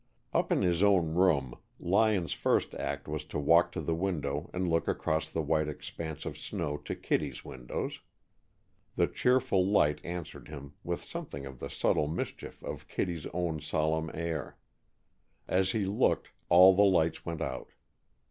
Up in his own room, Lyon's first act was to walk to the window and look across the white expanse of snow to Kittie's windows. The cheerful light answered him, with something of the subtle mischief of Kittie's own solemn air. As he looked, all the lights went out.